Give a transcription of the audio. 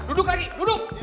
duduk lagi duduk